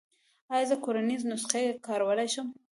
ایا زه کورنۍ نسخې کارولی شم؟